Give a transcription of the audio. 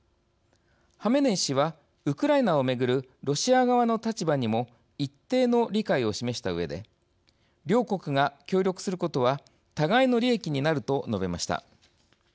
ハメネイ師は、ウクライナを巡るロシア側の立場にも一定の理解を示したうえで「両国が協力することは互いの利益になる」と述べました。